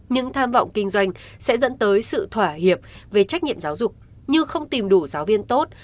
những tham vọng kinh doanh sẽ dẫn tới sự thỏa hiệp về trách nhiệm giáo dục như không tìm đủ giáo viên tốt